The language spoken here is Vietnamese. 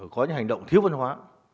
có những hành động thiếu văn hóa